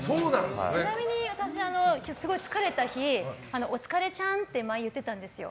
ちなみに、すごい疲れた日お疲れちゃんって前言ってたんですよ。